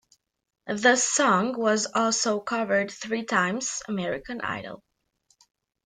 The song was also covered three times "American Idol".